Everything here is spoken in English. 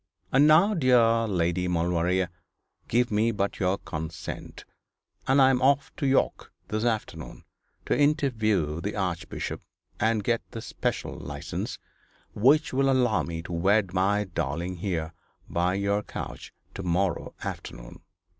And now, dear Lady Maulevrier, give me but your consent, and I am off to York this afternoon, to interview the Archbishop, and get the special licence, which will allow me to wed my darling here by your couch to morrow afternoon.'